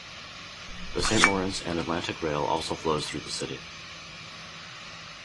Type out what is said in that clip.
The Saint Lawrence and Atlantic rail also flows through the city.